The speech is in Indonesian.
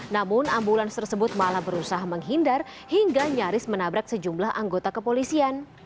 namun ambulans tersebut malah berusaha menghindar hingga nyaris menabrak sejumlah anggota kepolisian